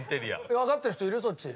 分かってる人いる？